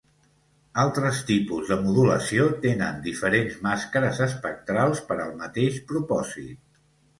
Altres tipus de modulació tenen diferents màscares espectrals per al mateix propòsit.